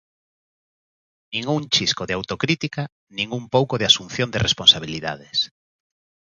Nin un chisco de autocrítica, nin un pouco de asunción de responsabilidades.